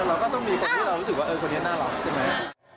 เราก็ต้องมีคนที่เรารู้สึกว่าคนนี้น่ารักใช่ไหม